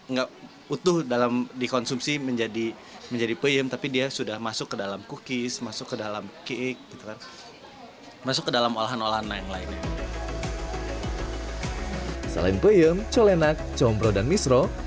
nggak utuh dalam dikonsumsi menjadi peyem tapi dia sudah masuk ke dalam cookies